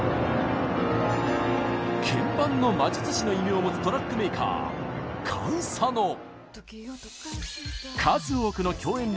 鍵盤の魔術師の異名を持つトラックメーカーＫａｎＳａｎｏ。